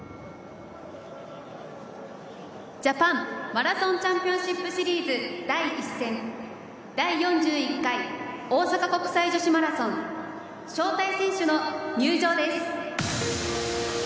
ジャパンマラソンチャンピオンシップシリーズ第１戦第４１回大阪国際女子マラソン招待選手の入場です。